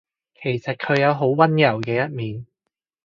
其實佢有好溫柔嘅一面